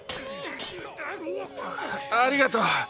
ありがとう。